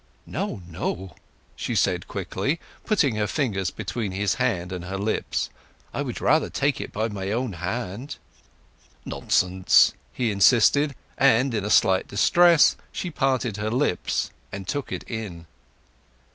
"No—no!" she said quickly, putting her fingers between his hand and her lips. "I would rather take it in my own hand." "Nonsense!" he insisted; and in a slight distress she parted her lips and took it in.